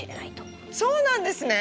そうなんですね！